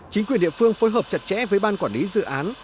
chính quyền địa phương phối hợp chặt chẽ với ban quản lý dự án